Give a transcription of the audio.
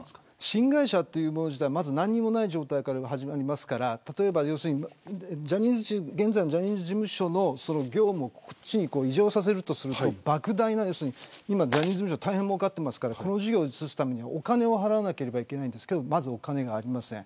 新会社は何もない状態から始まりますから現在のジャニーズ事務所の業務を移譲させるとするとジャニーズ事務所は大変もうかってますから事業を移すためにお金を払わなきゃいけないんですけどまずお金がありません。